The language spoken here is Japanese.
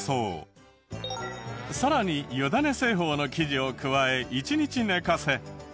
さらに湯種製法の生地を加え１日寝かせ。